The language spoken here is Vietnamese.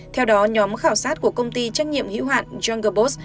theo đó nhóm khảo sát của công ty trách nhiệm hữu hạn jungle boss